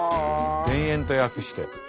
田園と訳してる。